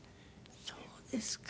そうですか。